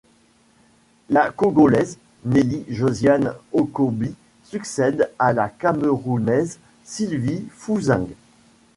La Congolaise, Nelly Josiane Okombi succède à la Camerounaise Sylvie Fouzing.